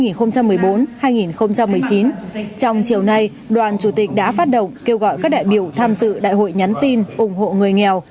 trong chiều nay đoàn chủ tịch đã phát động kêu gọi các đại biểu tham dự đại hội nhắn tin ủng hộ người nghèo